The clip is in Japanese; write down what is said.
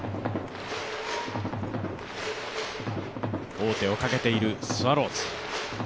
王手をかけているスワローズ。